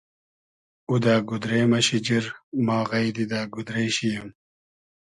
او دۂ گودرې مۂ شیجیر, ما غݷدی دۂ گودرې شی ییم